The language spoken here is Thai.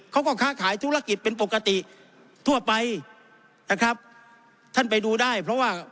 ค้าขายธุรกิจเป็นปกติทั่วไปนะครับท่านไปดูได้เพราะว่า